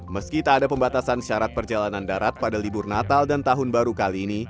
meski tak ada pembatasan syarat perjalanan darat pada libur natal dan tahun baru kali ini